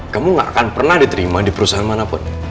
kamu gak akan pernah diterima di perusahaan mana pun